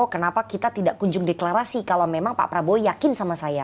kenapa kita tidak kunjung deklarasi kalau memang pak prabowo yakin sama saya